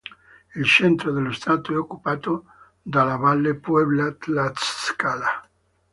Il centro dello Stato è occupato dalla valle Puebla-Tlaxcala.